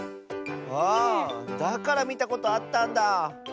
あだからみたことあったんだ。